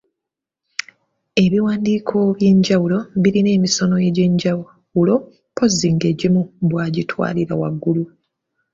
Ebiwandiiko eby’enjawulo birina emisono egy’enjawulo mpozzi ng’egimu bwa twagira waggulu.